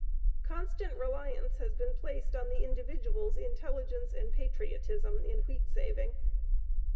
Constant reliance has been placed on the individual's intelligence and patriotism in wheat saving.